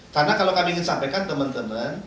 karena kalau kami ingin sampaikan teman teman